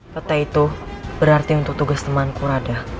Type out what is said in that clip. petai itu berarti untuk tugas temanku rada